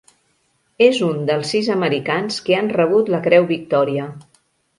És un dels sis americans que han rebut la Creu Victòria.